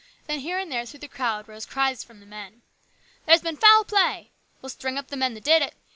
Then here and there through the crowd rose cries from the men. " There's been foul play !"" We'll string up the men that did it